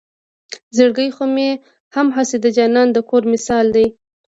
زړګے خو مې هم هسې د جانان د کور مثال دے